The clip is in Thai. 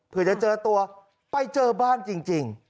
เพื่อจะเจอตัวไปเจอบ้านจริง